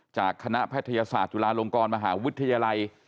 จากคณะแพทยศาสตร์จุฬาลงกรมหาวิทยาลัย